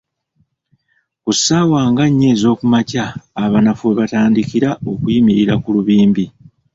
Ku ssaawa nga nnya ezookumakya abanafu we batandikira okuyimirira ku lubimbi.